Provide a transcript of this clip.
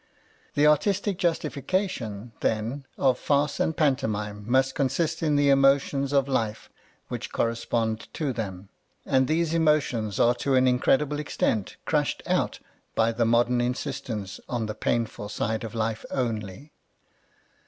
The artistic justification, then, of farce and pantomime must consist in the emotions of life which correspond to them. And these emotions are to an incredible extent crushed out by the modern insistence on the painful side of life only.